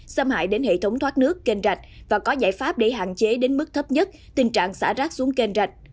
xâm hại đến hệ thống thoát nước canh giạch và có giải pháp để hạn chế đến mức thấp nhất tình trạng xả rác xuống canh giạch